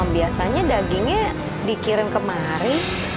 biasanya dagingnya dikirim kemari